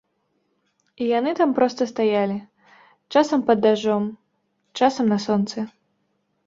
І яны там проста стаялі, часам пад дажджом, часам на сонцы.